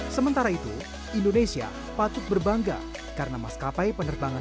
sementara itu indonesia patut berbangga karena maskapai penerbangan